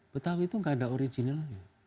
betawi itu nggak ada originalnya